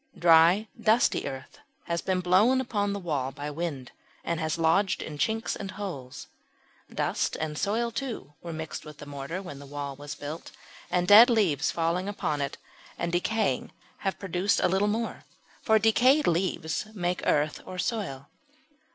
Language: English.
Dry dusty earth has been blown upon the wall by wind, and has lodged in chinks and holes. Dust and soil, too, were mixed with the mortar when the wall was built; and dead leaves falling on it and decaying have produced a little more for decayed leaves make earth or "soil."